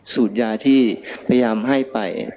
สูตรยาที่พยายามให้ไป